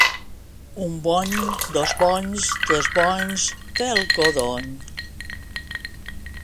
Un bony, dos bonys, tres bonys té el codony.